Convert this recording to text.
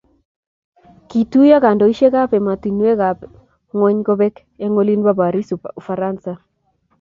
Kituyo kandoisiekab emotunwekab ngwony kobek eng olin bo Paris Ufaransa